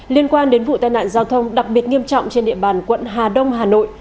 liên quan đến vụ tai nạn giao thông đặc biệt nghiêm trọng trên địa bàn quận hà đông hà nội